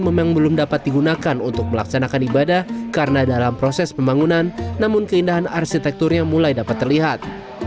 memang belum dapat digunakan untuk melaksanakan ibadah karena dalam proses pembangunan namun keindahan arsitekturnya mulai dapat terlihat